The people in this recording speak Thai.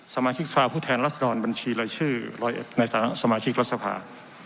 สมาธิกษภาพูดแทนรัฐศาลบัญชีรอยชื่อรอยแอบในสมาธิกษภา